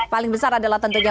paling besar adalah tentunya